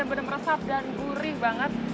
yang benar benar meresap dan gurih banget